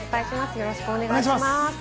よろしくお願いします。